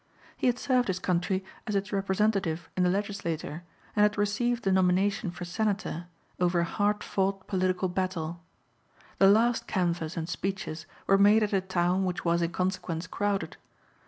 He had served his country as its representative in the Legislature and had received the nomination for senator, over a hard fought political battle. The last canvass and speeches were made at a town which was, in consequence, crowded.